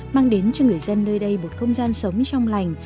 mang đến cho người dân nơi đây một không gian sống trong lành